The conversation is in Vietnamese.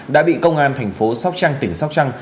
đã bị công an thành phố sóc trăng tỉnh sóc trăng